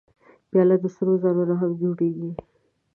پیاله د سرو زرو نه هم جوړېږي.